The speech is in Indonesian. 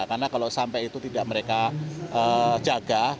karena kalau sampai itu tidak mereka jaga